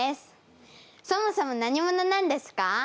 そもそも何者なんですか？